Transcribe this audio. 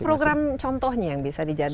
ada program contohnya yang bisa dijadi